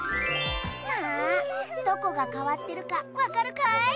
さあどこが変わってるかわかるかい？